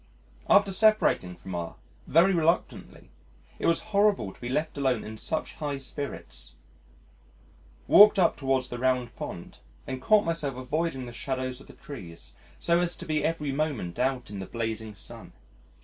After separating from R very reluctantly it was horrible to be left alone in such high spirits, walked up towards the Round Pond, and caught myself avoiding the shadows of the trees so as to be every moment out in the blazing sun.